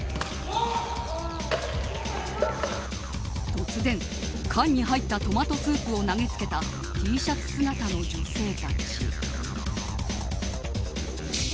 突然缶に入ったトマトスープを投げつけたＴシャツ姿の女性たち。